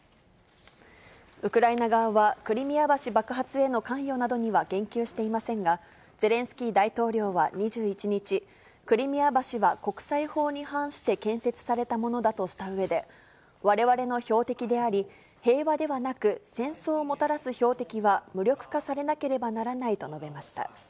ウクライナ側は、クリミア橋爆発への関与などには言及していませんが、ゼレンスキー大統領は２１日、クリミア橋は国際法に反して建設されたものだとしたうえで、われわれの標的であり、平和ではなく、戦争をもたらす標的は無力化されなければならないと述べました。